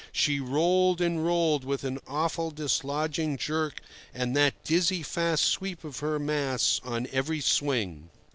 She rolled and rolled with an awful dislodging jerk and that dizzily fast sweep of her masts on every swing.